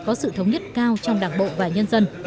có sự thống nhất cao trong đảng bộ và nhân dân